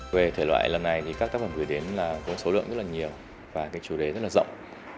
về thời loại lần này các tác phẩm gửi đến có số lượng rất nhiều và chủ đề rất rộng